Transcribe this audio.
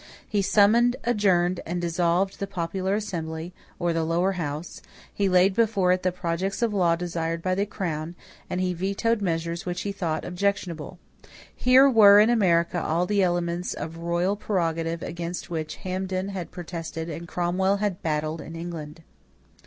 He summoned, adjourned, and dissolved the popular assembly, or the lower house; he laid before it the projects of law desired by the crown; and he vetoed measures which he thought objectionable. Here were in America all the elements of royal prerogative against which Hampden had protested and Cromwell had battled in England.